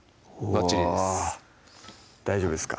ばっちりです大丈夫ですか？